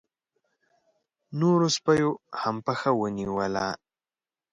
نورو سپيو هم پښه ونيوله.